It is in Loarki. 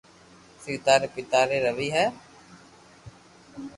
سيتا ري پيتا ري روي ھي